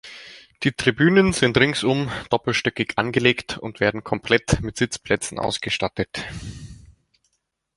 Die Tribünen sind ringsum doppelstöckig angelegt und werden komplett mit Sitzplätzen ausgestattet.